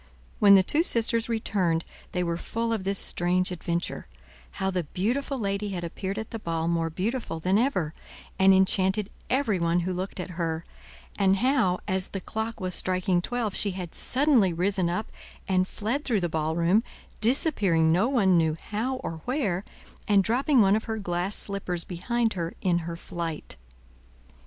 When the two sisters returned, they were full of this strange adventure, how the beautiful lady had appeared at the ball more beautiful than ever, and enchanted everyone who looked at her; and how as the clock was striking twelve she had suddenly risen up and fled through the ballroom, disappearing no one knew how or where, and dropping one of her glass slippers behind her in her flight.